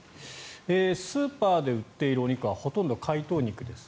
スーパーで売っているお肉はほとんど解凍肉です。